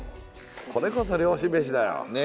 これこそ漁師メシだよ！ね。